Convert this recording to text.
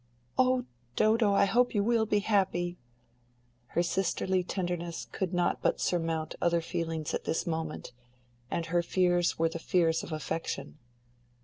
"Oh, Dodo, I hope you will be happy." Her sisterly tenderness could not but surmount other feelings at this moment, and her fears were the fears of affection.